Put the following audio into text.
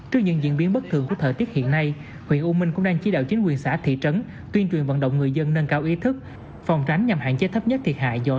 trước những diễn biến bất thường của thời tiết hiện nay huyện u minh cũng đang chỉ đạo chính quyền xã thị trấn tuyên truyền vận động người dân nâng cao ý thức phòng tránh nhằm hạn chế thấp nhất thiệt hại do mưa